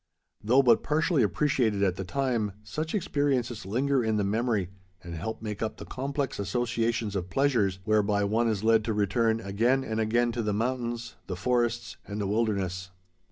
Though but partially appreciated at the time, such experiences linger in the memory and help make up the complex associations of pleasures whereby one is led to return again and again to the mountains, the forests, and the wilderness.